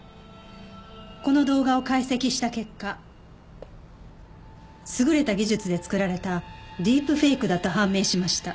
この動画を解析した結果優れた技術で作られたディープフェイクだと判明しました。